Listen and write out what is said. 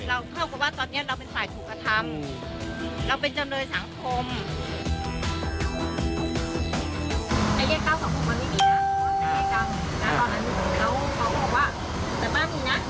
เราเท่ากับว่าตอนเนี้ยเราเป็นฝ่ายถูกธรรม